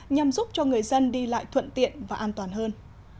nhằm giúp cho người dân đi lại thuận tiện và an toàn hơn